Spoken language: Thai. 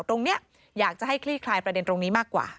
ตรงนี้อยากจะให้คลี่คลายประเด็นตรงนี้มากกว่า